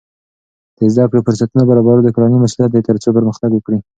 د زده کړې فرصتونه برابرول د کورنۍ مسؤلیت دی ترڅو پرمختګ وکړي.